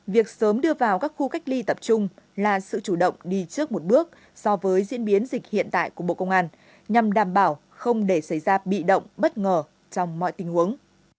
việc sớm đưa vào các khu cách ly tập trung là sự chủ động đi trước một bước so với diễn biến dịch hiện tại của bộ công an nhằm đảm bảo không để xảy ra bị động bất ngờ trong mọi tình huống